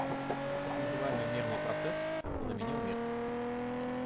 Так называемый «мирный процесс» заменил мир.